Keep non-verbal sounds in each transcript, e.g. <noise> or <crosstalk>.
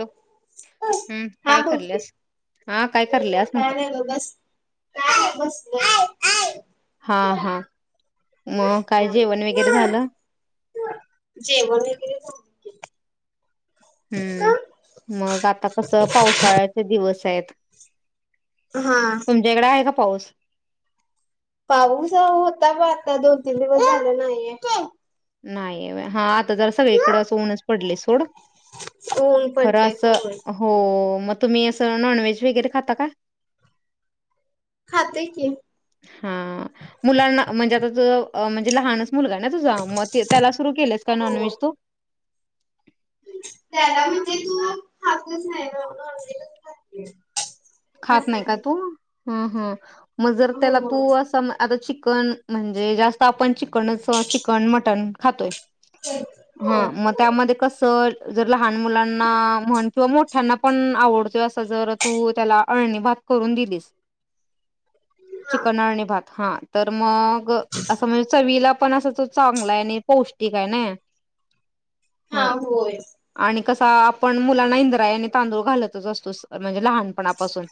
Hello हम्म हा काय बोलते. करल्यास हा काय करलं. का नाही ब बस का बस. हा हा मग काय जेवण वगैरे झालं. जेवण वगैरे. हम्म मग आता कसं पावसाळ्याचे दिवस आहेत. हा तुमच्याकडे आहे का पाऊस? पाऊस होता ब आता दोन तीन दिवस झाले नाहीये. नाही हा. आ ज सगळीकड अस ऊनच पडले सोड ऊन खर पडलंय अस. होय हो मग तुम्ही असं नॉनव्हेज वगैरे खाता का. खातात की. हा मुलांना म्हणजे आता त म्हणजे लहान मुलगा ना तुझा मग त्याला सुरू केलेस का हो नॉन व्हेज तू त्याला म्हणजे तू हातच आहे ना ख. खात नाही का तू ह मग जर हो त्याला तू हो असं आता चिकन म्हणजे जास्त आपण चिकनच चिकन मटण खातोय. एक हा मग त्यामध्ये कस जर लहान मुलांना म्हण किंवा मोठ्यांना पण आवडतोय अस जर तू त्याला अळणी भात करून दिलीस चिकन अळणी भात हा तर मग असं म्हणजे विला पण अस. चांगला आहे आणि पौष्टिक आहे ना हा ह होय आणि कसा आपण मुलांना इंद्राया आणि तांदूळ घालतच असतो म्हणजे लहानपणापासून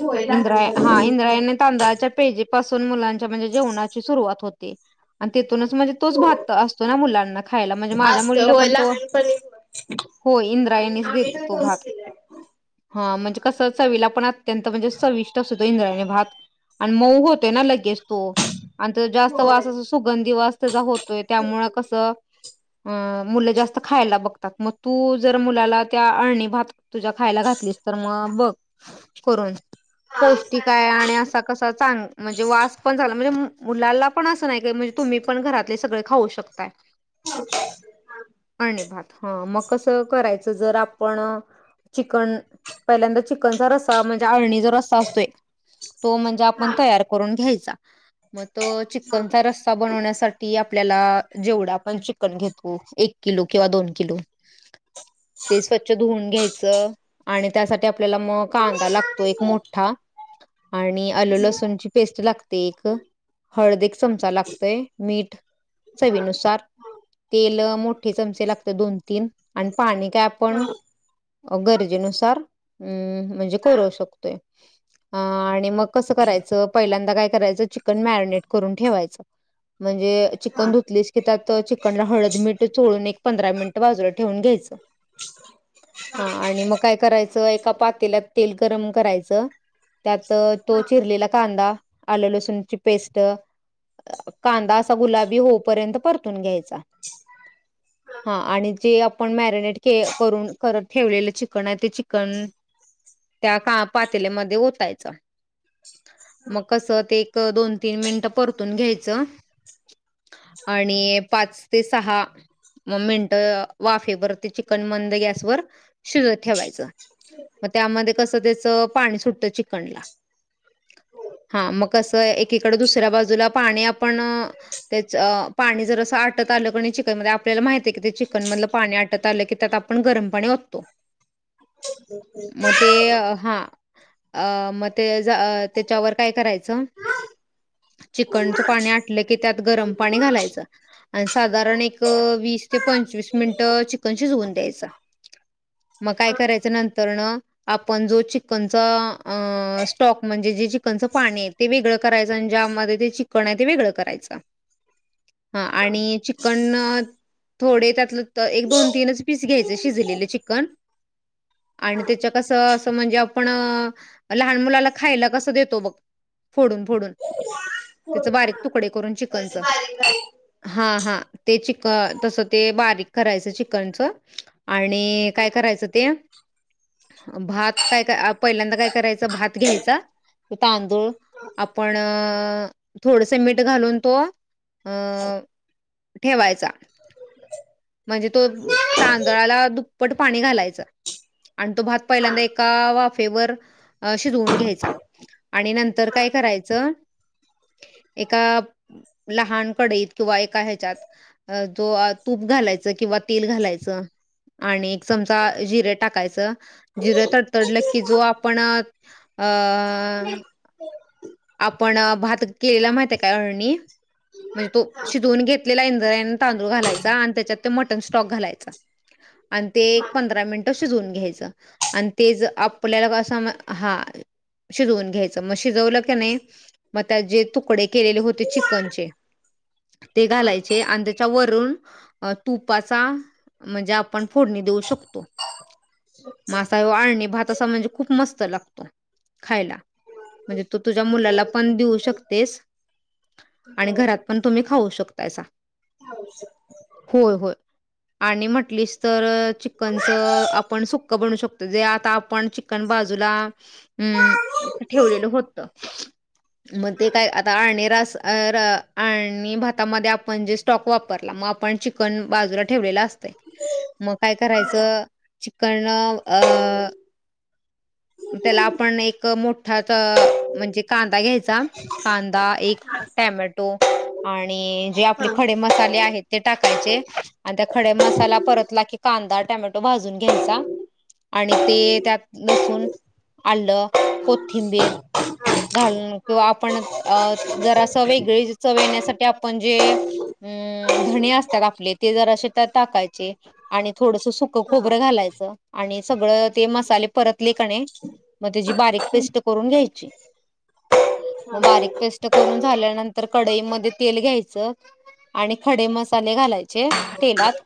होय इंद्राय हा लहानपणापासून होय इंद्रायण तांदळाच्या पेजी पाासून मुलांच्या म्हणजे जेवणाची सुरुवात हो आणि तिथूनच म्हणजे तोच हो भात असतो ना मुलांना खायला म्हणजे माझ्या असत मुलीला होय पण तो लहानपणी हो इंद्रायणीच देत आम्ही पण तो तोच भात केलाय हा म्हणजे कस चवीला पण अत्यंत म्हणजे सविष्ट असतो इंद्राणी भात आणि मऊ होते ना लगेच तो आणि जास्त होय वास सुगंधिवास त्याचा होतोय त्यामुळे कसं अ मुलं जास्त खायला बघतात मग तू जर मुलाला त्या अळणी भात तुझ्या खायला घातलीस तर मग बघ करून हा पौष्टिक सांग आहे आणि सांग असा कसा चांगले म्हणजे वास पण झाला म्हणजे मुलांला पण असं नाही का म्हणजे तुम्ही पण घरातले सगळे खाऊ शकताय <unintelligible> अणीभात हा मग कसं करायचं जर आपण चिकन पहिल्यांदा च चिकनचा रस्सा म्हणजे अळणी जो रस्सा असतोय तो म्हणजे हा आपण तयार करून घ्यायचा मग तो हा चिकनचा रसा बनवण्यासाठी आपल्याला जेवढं आपण चिकन घेतो एक किलो किंवा दोन किलो ते स्वच्छ धुून घ्यायचं आणि त्यासाठी आप आपल्याला मग कांदा लागतो एक मोठा आणि आलू लसूणची पेस्ट लागते एक हळद एक चमचा लागतोय मीठ चवीनुसार तेल मोठे चमचे लागते दोन तीन आणि पाणी काय आपण हा गरजेनुसार हम् म्हणजे करवू शकतोय आणि मग कसं करायचं पहिल्यांदा काय करायचं चिकन मॅरिनेट करून ठेवायचं म्हणजे हा चिकन धुतलीस की त्यात चन ला हळद मीठ चोळून एक पंधरा मिनिट बाजूला ठेवून घ्यायचं हा आणि मग काय करायचं एका पातेलात तेल गरम करायचं त्यात तो चिरलेला कांदा आले लसूणची पेस्ट कांदा असा गुलाबी होपर्यंत परतून घ्यायचा हा आणि जे आपण मॅरिनेट के करून करत ठेवलेलं चिकन आहे ते च पण त्या का पातेल्यामध्ये हो ओतायचा मग कसं ते एक दोन तीन मिनिटं परतून घ्यायचं आणि पाच ते सहा मग मिनट वाफेवर ते चिकन मंद गॅसवर शिजत ठेवायचं मग त्यांमध्ये कसं त्याचं पाणी सुटतं चिकनला हा मग कसं एकीकडे दुसऱ्या बाजूला पाणी आपण तेच पाणी जर असं आटत आलं कण चिकन मध्ये आपल्याला माहित आहे की ते चिकन मधलं पाणी आटत आलं की त्यात आपण गरम पाणी तो मग ते हा अ मग ते त्याच्यावर काय करायचं चिकनचं पाणी आटलं की त्यात गरम पाणी घालायचं आणि साधारण एक वीस ते पंचवीस मिनिटं चिकन शिजवून द्यायचा मग काय करायचं नंतर न आपण जो चिकनचा स्टॉक म्हणजे जे चिकनचं पाणी य ते वेगळं करायचं आणि ज्यामध्ये ते चिकण आहे ते वेगळं करायचं हा आणि चिकन् थोडे त्यातलं एक दोन तीनच पीस घ्यायचे शिजलेले चिकन आणि त्याच्या कसं असं म्हणजे आपण लहान मुलाला खायला कसं देतो बघ फोडून फोडून त्याच बारीक तुकडे करून चिकनच बारीक बारीक हा हा ते चिकन तसं ते बारीक करायचं चिकनचं आणि काय करायचं ते भात काय-काय पहिल्यांदा काय करायचं भात घ्यायचा. तो तांदूळ आपण थोडस मीठ घालून तो अ ठेवायचा. म्हणजे तो तांदळाला दुप्पट पाणी घालायचं. आणि तो भात हा पहिल्यांदा एका वाफेवर शिजवून घ्यायचा. आणि नंतर काय करायचं एका लहान कढईत किंवा एका ह्याच्यात जो अं तू घालायचं किंवा तेल घालायचं आणि एक चमचा जिरे टाकायचं जिर तडतडलं की जो आपण अ आपण भात केलेला माहिती काय अळणी म्हणजे तो शिजवून घेतलेला इंद्रायणी तांदूळ घालायचा आणि त्याच्यात ते मटन स्टॉक घालायचा आणि ते एक हा पंधरा मिनिटं शिजवून घ्यायचं आणि तेच आपल्याला असं हा शिजवून घ्यायचं मग शिजवलं की नाही मग त्या जे तुकडे केलेले होते चिकनचे ते घालायचे आणि त्याच्या वरून तुपाचा म्हणजे आपण फोडणी देऊ शकतो. <unintelligible> आळणी भात असा म्हणजे खूप मस्त लागतो. खायला म्हणजे तू तुझ्या मुलाला पण देऊ हा शकतेस. आणि हो घरात पण तुम्ही खाऊ शकतायसा. हो स होय होय आणि म्हटलीस तर चिकनचं आपण सुकं बनू शकतो जे आता आपण च ण बाजूला अम ठेवलेलं होत मग ते काय आता आळणी रास अं आणि भातामध्ये आपण जे स्टॉक वापरला मग आपण चिकन बाजूला ठेवलेलं असते. मग काय करायचं चिकण अं त्याला आपण एक मोठा अं म्हणजे कांदा घ्यायचा कांदा एक टॅमॅटो आणि जे आपले खडे मसाले आहेत ते टाकायचे, आणि त्या खडे मसाला परतला की, कांदा टमॅटो भाजून घ्यायचा आणि ते त्यात लसून आलं कोथिंबीर घालून किंवा आपण अं जरा असं वेगळी चव येण्यासाठी आपण जे अम् धणे असतात आपले ते जरासे त्यात टाकायचे. आणि थोडस सुकं खोबरं घालायचं आणि सगळं ते मसाले परतले कने मग त्याची बारीक पेस्ट करून घ्यायची. मग बारीक पेस्ट करून झाल्यानंतर कडईमध्ये तेल घ्यायचं. आणि खडे मसाले घालायचे तेलात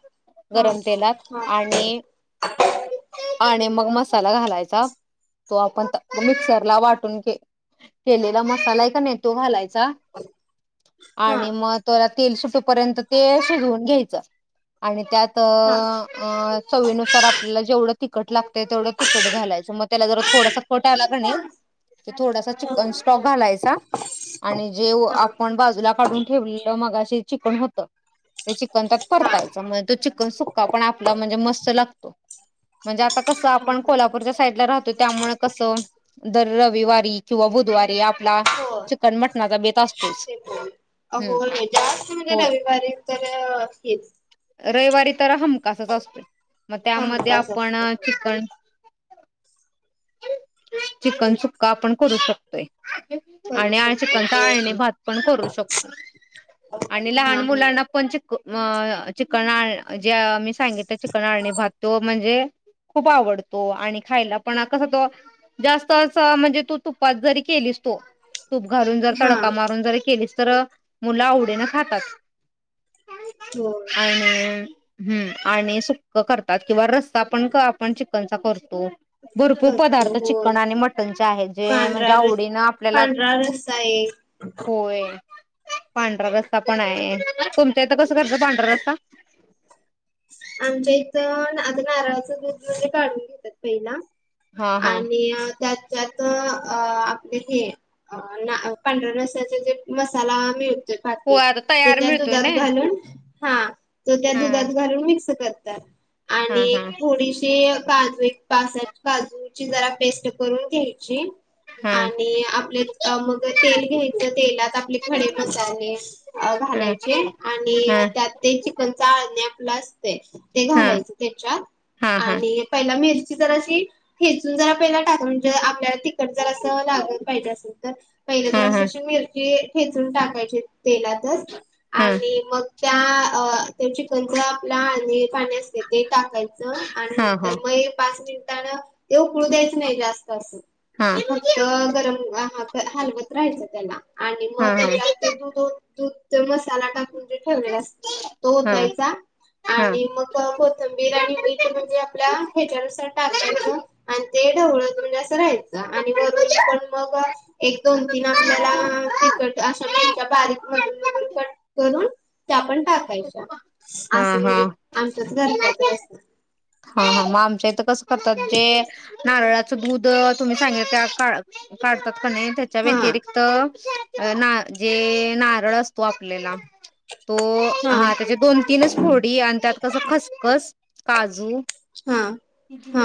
गरम तेलात आणि-आणि मग मसाला घालायचा. तो आपण मिक्सरला वाटून घ केलेला मसालाय का नाही तो घालायचा. आणि मग त्याला तेल सुटूपर्यंत ते शिजवून घ्यायचं. आणि त्यात अं चवीनुसार आपल्याला जेवढं तिकट लागत तेवढं तिकट घालायचं मग त्याला जरा थोडासा कट आलाकणी तर थोडासा चिकन स्टॉक घालायचा. आणि जे आपण बाजूला काढून ठेवलेलं मगाशी चिकण होत. ते चिकन त्यात परतायचं म्हणजे तो चिकन सुक्का पण आपला म्हणजे मस्त लागतो. म्हणजे आता कसं आपण कोल्हापूरच्या साईड ला राहत.. त्यामुळे कसं दर रविवारी किंवा बुधवारी आपला चिकन मटणाचा बेत असतोयच. हम्म होय जास्त म्हणजे होय रविवारी तर हेच. रविवारी तर हमखासच असतो. मग त्यामध्ये हमखास आपण असत चिकन चिकन सुक्का आपण करू शकतोय. करू आणि-आणि शकतो चिकन होय आळणी होय भात पण करू शकतो. आणि लहान हा हा मुलांना पण च चिकनळ जे मी सांगितलं चिकनाळणी भात तो म्हणजे खूप आवडतो आणि खायला पण कस तो जास्त अस म्हणजे तू तुपात जरी केलीस तो तूप घालून जर हा तडका मारून जरी केलीस तर मुलं आवडीन खातात हो आणिन हम्म आणि सुक करतात किंवा रस्सा पण आपण चिकनचा करतो भरपूर करतो पदार्थ होय चिकन आणि मटनचे आहेत जे म्हणजे पांढरा रस आवडीनं आपल्याला पांढरा रस्सा एक होय पांढरा रस्ता पण आहे तुमच्या इथं कसं करचं पांढरा रस्ता आमच्या इथं आता नारळाचं दूध वगैरे काढून घेतात पहिला हा हा आणि त्यात ज्यात आपले हे पांढऱ्या रस्याचे जे मसाला मिळत - हो पाकीट आता ते तयार त्या मिळतोय ना दुधात घालून हा तो त्या हा दुधात घालून मिक्स करतात हा आणि हा थोडीशी काजू एक पासट काजूची जरा पेस्ट करून घ्यायची हा आणि आपले मग तेल घ्यायचं तेलात आपले खडे मसाले अ हा घालायचे आणि हा त्यात ते चिकनच अळणी आपलं असते ते हा घालायच त्याच्यात हा हा हा आणि पहीला मिरची जराशी ठेचून जरा पहीला टाक म्हणजे आपल्याला जरा तिख तिखट जरास लाग पाहिजे असल तर पहिले हा जरशी हा अशी मिरची - ची ठेचून टाकायची तेलातच हा आणि मग त्या चिकन म आपलं आळणी पाणी असते ते टाकायचं आणि हा हा नंतर मग हे पाच मिनिटानं - ते उकळू द्यायचं नाही जास्त असं हा फक्त गरम ह हलवत राहायचं त्याला आणि मग हा हा त्याच्यात ते दुध दुध मसाला टाकून जे ठेवलेला अस तो ओतायचा हा आणि मग कोथंबीर आणि मीठ म्हणजे आपल्या ह्याच्यानुसार टाकायचं आणि ते ढवळत म्हणजे असं राहायचं आणि वरून पण मग एक दोन तीन आपल्याला तिखट अशा मिरच्या बारीक मधून मधून कट करून त्या पण टाकायच्या हा असं हा म्हणजे आमच्यात करतात <unintelligible> रस्सा हा हा मग आमच्या इथं कसं करतात नारळाचं दूध तुम्ही सांगीतला काळ काढत्यात कणी त्याच्या हा व्यतिरिक त ना जे नारळ असतो आपल्याला तो हा त्याचे दोन तीनच फोडी आणि त्यात कसं खसखस काजू हा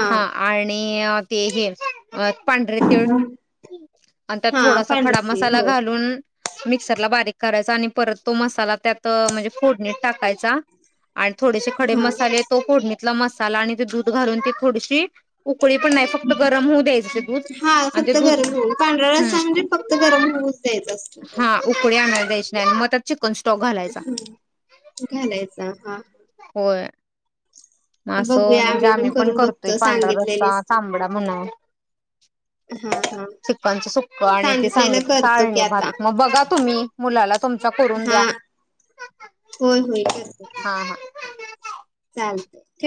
हा आणि ते हे अ पांढरे तीळ आणि त्यात हा थोडासा खडा पांढरती मसाला हो घालून मिक्सरला बारीक करायचा आणि परत तो मसाला त्यात म्हणजे फोडणीत टाकायचा आणि थोडेसे खडे हा मसाले तो फोडणी - मसाला आणि ते दूध घालून त थोडीशी उकळी पण नाही फक्त गरम होऊ द्यायच दूध हा आणि ते फक्त दुध गरम होऊन पांढरा ह रस्सा म्हणजे फक्त गरम होऊच द्यायचा असतो हा त्याला उकळी आणून द्यायची नाही मग त्यात चिकन स्टॉक घालायचा घालायचा हा होय असं बघूया म्हणजे आम्ही पण करून करतोय बघतो पांढरा रस्सा सांगितलेलीस तू तांबडा म्हण हा हा चिकनच सुक्क आणि ते सांगितलेलं सांगित करतो की साळणी आता भात मग बघा तुम्ही मुलाला तुमच्या करून हा द्या होय होय करते की हा हा चालतय ठेऊ